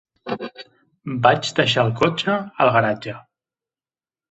Vaig deixar el cotxe al garatge.